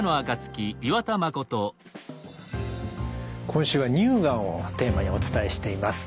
今週は乳がんをテーマにお伝えしています。